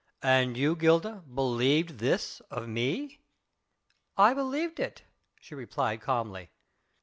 "And you, Gilda, believed this of me?" "I believed it," she replied calmly.